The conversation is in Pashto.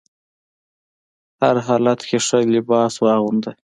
هر حالت کې ښه لباس واغونده.